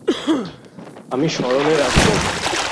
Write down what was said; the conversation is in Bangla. আমি স্মরণে রাখবো।